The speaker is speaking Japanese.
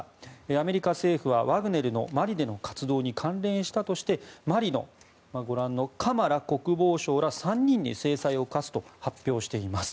アメリカ政府はワグネルのマリでの活動に関連したとしてマリの、ご覧のカマラ国防相ら３人に制裁を科すと発表しています。